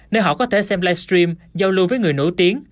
nơi họ có thể xem live stream giao lưu với người nổi tiếng